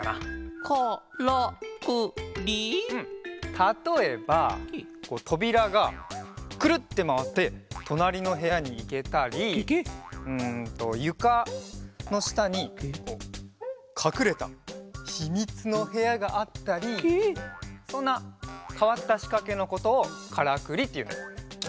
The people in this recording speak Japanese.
たとえばとびらがくるってまわってとなりのへやにいけたりうんとゆかのしたにかくれたひみつのへやがあったりそんなかわったしかけのことをカラクリっていうんだよ。